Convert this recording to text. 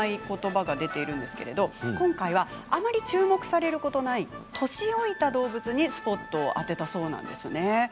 ことばが出ているんですけれど今回はあまり注目されることのない年老いた動物にスポットを当てたそうなんですね。